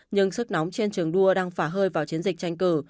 nhưng sức nóng trên trường đua đang phả hơi vào chiến dịch tranh cử